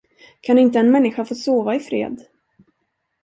Kan inte en människa få sova i fred?